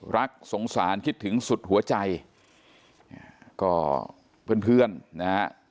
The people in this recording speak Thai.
รักสงสารคิดถึงสุดหัวใจก็เพื่อนเพื่อนนะฮะ